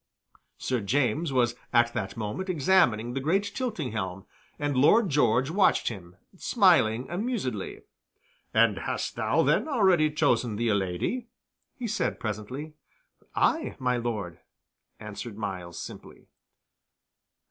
Sir James was at that moment examining the great tilting helm, and Lord George watched him, smiling amusedly. "And hast thou then already chosen thee a lady?" he said, presently. "Aye, my Lord," answered Myles, simply.